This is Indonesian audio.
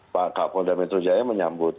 pak kapolda metro jaya menyambut